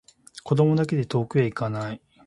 子供だけで遠くへいかない